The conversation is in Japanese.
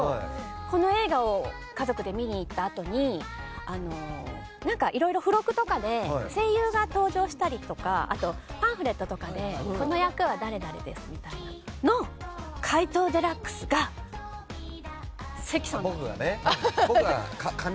この映画を家族で見に行ったあとにいろいろ、付録とかで声優が登場したりとかパンフレットとかでこの役は誰々ですみたいなものの怪盗ＤＸが関さんだった。